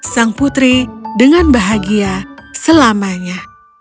sang putri dengan bahagia selamanya